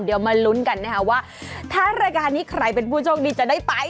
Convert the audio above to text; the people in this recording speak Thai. เดี๋ยวมาลุ้นกันนะคะว่าถ้ารายการนี้ใครเป็นผู้โชคดีจะได้ไป